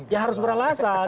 ya harus beralasan